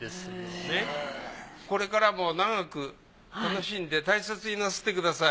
これからも長く楽しんで大切になさってください。